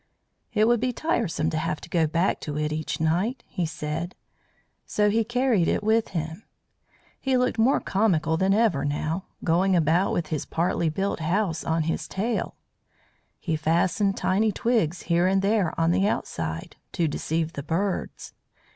"It would be tiresome to have to go back to it each night," he said, so he carried it with him. He looked more comical than ever now, going about with his partly built house on his tail. He fastened tiny twigs here and there on the outside, to deceive the birds.